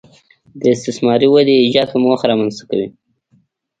د استثماري ودې ایجاد په موخه رامنځته کوي